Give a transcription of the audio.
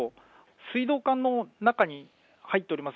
水道管の中に入っております